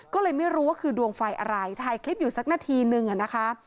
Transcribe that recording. ก็เลยไม่รู้ว่าคือดวงไฟอะไรถ่ายคลิปอยู่สักนาทีนึงอะนะคะ